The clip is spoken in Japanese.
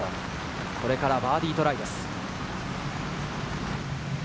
これからバーディートライです。